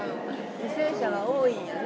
犠牲者が多いんやね。